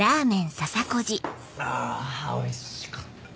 あおいしかった。